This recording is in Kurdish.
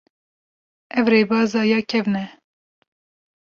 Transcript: Ev rêbeza ya kevin e.